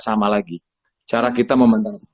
sama lagi cara kita membenahi